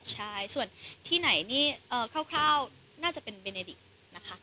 ใช่ส่วนที่ไหนนี่คร่าวน่าจะเป็นเบเนดิกนะคะ